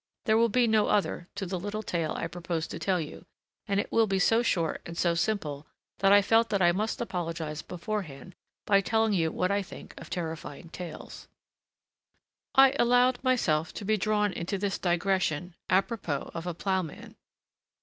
There will be no other to the little tale I propose to tell you, and it will be so short and so simple that I felt that I must apologize beforehand by telling you what I think of terrifying tales. I allowed myself to be drawn into this digression apropos of a ploughman.